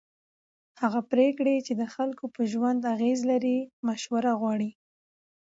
هغه پرېکړې چې د خلکو پر ژوند اغېز لري مشوره غواړي